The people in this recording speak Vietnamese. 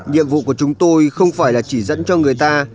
nhiệm vụ của chúng tôi không phải là chỉ dẫn cho người ta